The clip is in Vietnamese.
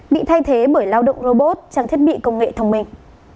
bị thay thế bởi lao động robot trang thiết bị công nghệ thông minh